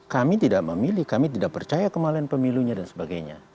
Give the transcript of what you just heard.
kami tidak memilih kami tidak percaya kemahalan pemilunya dan sebagainya